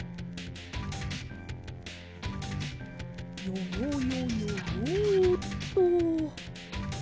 よよよよよっと。